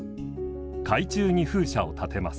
海中に風車を建てます。